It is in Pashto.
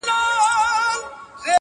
د حیثیت نه بلکي د افغانیت او پښتونولۍ ده